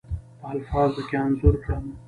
په الفاظو کې انځور کړم.